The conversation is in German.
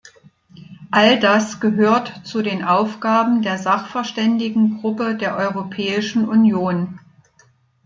All das gehört zu den Aufgaben der Sachverständigengruppe der Europäischen Union.